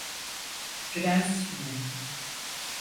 Prens mi?